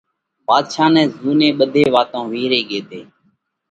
ڀاڌشا نئہ زُوني ٻڌي واتون وِيهري ڳي تي۔